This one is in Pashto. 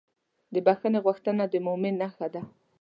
د بښنې غوښتنه د مؤمن نښه ده.